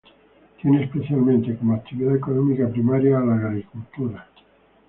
Tiene especialmente como actividad económica primaria a la agricultura.